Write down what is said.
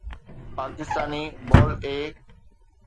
پاڪستاني بال اي